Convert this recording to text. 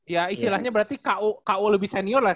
ya istilahnya berarti ku lebih senior lah